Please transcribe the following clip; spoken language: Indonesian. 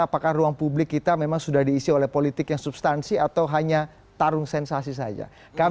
apakah ruang publik kita memang sudah diisi oleh politik yang substansi atau hanya tarung sensasi saja